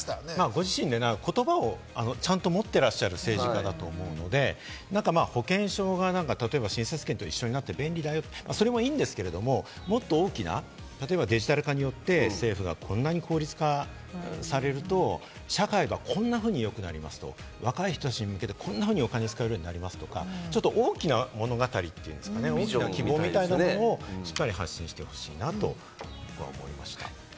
ご自身で言葉を持ってらっしゃる政治家だと思うので、保険証が例えば診察券と一緒になって便利だよ、それもいいんですけれども、もっと大きな、例えばデジタル化によって政府がこんなに効率化されると、社会がこんなふうによくなりますと、若い人たちに向けて、こんなふうにお金を使えるようになりますよとか、大きな物語というんですかね、ビジョン、希望みたいなものをしっかり発信してほしいなと僕は思いました。